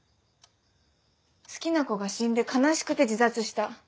好きな子が死んで悲しくて自殺した。